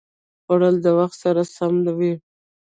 خوړل د وخت سره سم وي